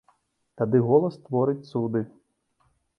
Тады голас творыць цуды.